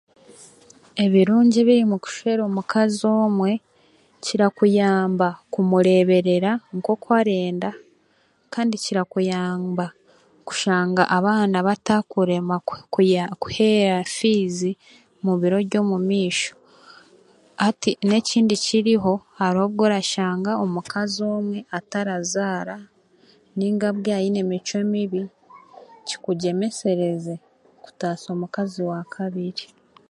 Ebirungi ebiri mu kushwera omukazi omwe, kirakuyamba kumureeberera nk'oku arenda kandi kirakuyamba kushanga abaana bataakurema kuheera fiizi mubiro byomumaisho. Nekindi ekiriho hariho obworashanga omukazi omwe atarazaara nainga aine emicwe mibi kikugyemesereze kutaasa omukazi wa kabiri.